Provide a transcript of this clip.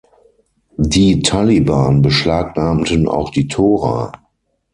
Die Taliban beschlagnahmten auch die Torah.